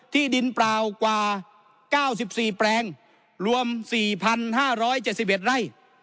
ที่ดินเปล่ากว่าเก้าสิบสี่แปลงรวมสี่พันห้าร้อยเจ็ดสิบเอ็ดไร่